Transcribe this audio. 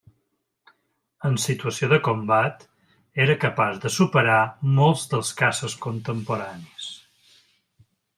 En situació de combat, era capaç de superar a molts dels caces contemporanis.